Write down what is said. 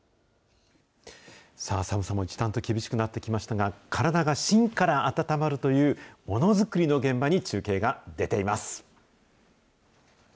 寒さも一段と厳しくなってきましたが、体がしんから温まるというものづくりの現場に中継が出ています。